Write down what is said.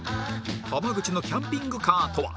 濱口のキャンピングカーとは？